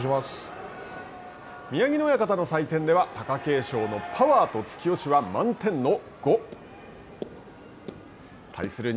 宮城野親方の採点では貴景勝のパワーと突き押しは満点の５。対する錦